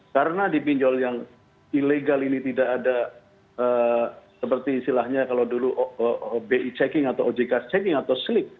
karena di pinjol yang ilegal ini tidak ada seperti silahnya kalau dulu bi checking atau ojk checking atau sleep